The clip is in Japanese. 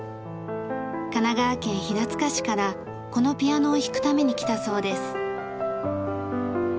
神奈川県平塚市からこのピアノを弾くために来たそうです。